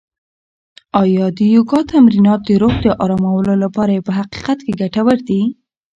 آیا د یوګا تمرینات د روح د ارامولو لپاره په حقیقت کې ګټور دي؟